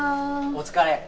お疲れ。